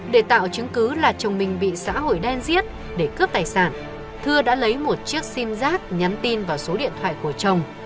để tạo chứng cứ là chồng mình bị xã hội đen giết để cướp tài sản thưa đã lấy một chiếc sim giác nhắn tin vào số điện thoại của chồng